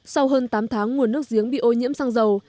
sau hơn tám tháng nguồn nước giếng bị ô nhiễm xăng dầu